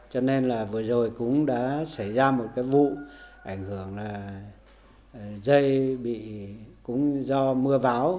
cho nên là vừa rồi cũng đã xảy ra một cái vụ ảnh hưởng là dây bị cũng do mưa bão